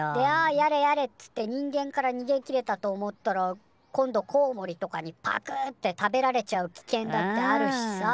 やれやれっつって人間からにげきれたと思ったら今度コウモリとかにパクって食べられちゃう危険だってあるしさ。